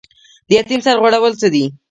د یتیم سر غوړول څه دي؟